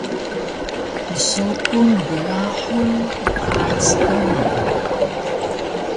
mseupu mgrahul mqaras kana